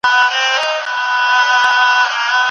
په قدم وهلو کي د چا لاره نه ډب کېږي.